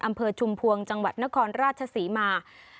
อำเภอชุมพวงจังหวัดนครราชศรีมาย